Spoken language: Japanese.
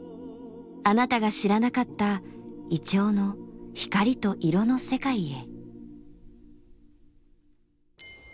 あなたが知らなかった銀杏の光と色の世界へ。